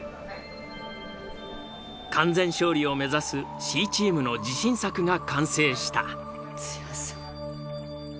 完全勝利を目指すＣチームの自信作が完成した。